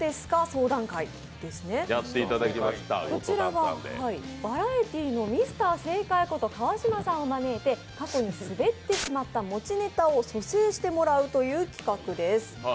こちらはバラエティーのＭｒ．正解こと川島さんを招いて過去にスベってしまったモチネタを蘇生してもらうという企画です。